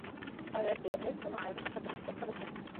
Thyroid গ্ল্যান্ডের জন্যে iodine অত্যাবশ্যকীয়।